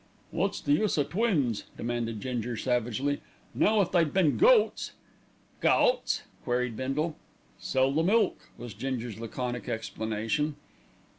"Wot's the use o' twins?" demanded Ginger savagely. "Now if they'd been goats " "Goats!" queried Bindle. "Sell the milk," was Ginger's laconic explanation.